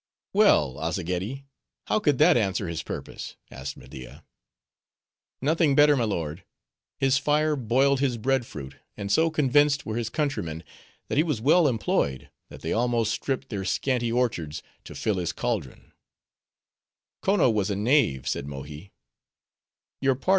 "Well, Azzageddi, how could that answer his purpose?" asked Media. "Nothing better, my lord. His fire boiled his bread fruit; and so convinced were his countrymen, that he was well employed, that they almost stripped their scanty orchards to fill his caldron." "Konno was a knave," said Mohi.